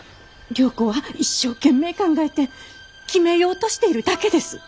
良子は一生懸命考えて決めようとしているだけです。